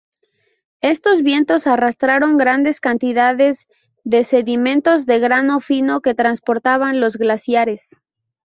Estos vientos arrastraron grandes cantidades de sedimentos de grano fino que transportaban los glaciares.